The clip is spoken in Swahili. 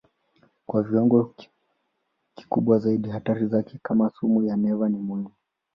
Kwa viwango kikubwa zaidi hatari zake kama sumu ya neva ni muhimu.